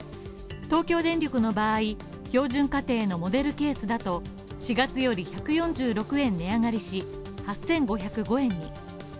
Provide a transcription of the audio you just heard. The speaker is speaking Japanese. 東京電力の場合、標準家庭のモデルケースだと４月より１４６円値上がりし、８５０５円に。